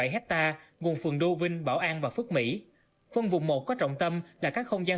bảy hectare nguồn phường đô vinh bảo an và phước mỹ phân vùng một có trọng tâm là các không gian